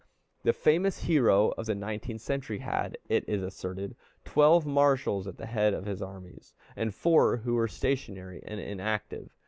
The famous hero of the 19th century had, it is asserted, twelve Marshals at the head of his armies, and four who were stationary and inactive.